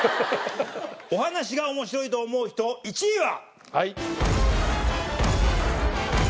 お話が面白いと思う人１位は。